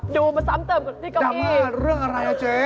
ดูมาซ้ำเติมกับพี่ก้อเมื่อเรื่องอะไรอ่ะเจ๊